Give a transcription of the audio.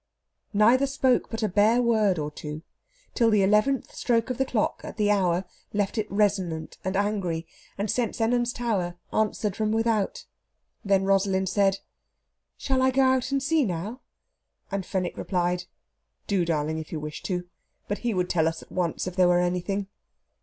Neither spoke but a bare word or two, till the eleventh stroke of the clock, at the hour, left it resonant and angry, and St. Sennans tower answered from without. Then Rosalind said, "Shall I go out and see, now?" and Fenwick replied, "Do, darling, if you wish to. But he would tell us at once, if there were anything."